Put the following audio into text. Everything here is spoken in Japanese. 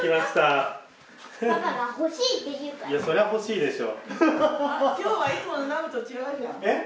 いやそりゃほしいでしょ。